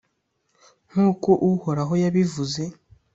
nk’uko Uhoraho yabivuze.